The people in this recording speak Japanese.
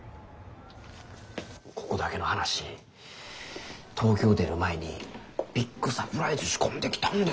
ここだけの話東京出る前にビッグサプライズ仕込んできたんですよ。